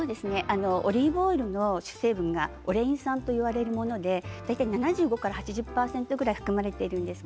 オリーブオイルの主成分のオレイン酸は７５から８０％ぐらい含まれています。